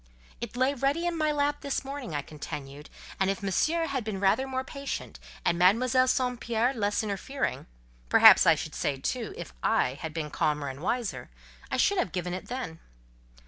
"It lay ready in my lap this morning," I continued; "and if Monsieur had been rather more patient, and Mademoiselle St. Pierre less interfering—perhaps I should say, too, if I had been calmer and wiser—I should have given it then."